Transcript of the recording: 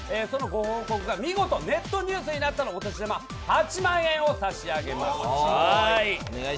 そのご報告が見事ネットニュースになったらお年玉８万円を差し上げます。